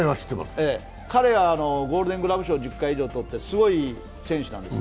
彼がゴールデングラブ賞１０回くらい取ってすごい選手なんです。